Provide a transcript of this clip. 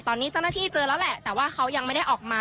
ตอนนี้เจ้าหน้าที่เจอแล้วแหละแต่ว่าเขายังไม่ได้ออกมา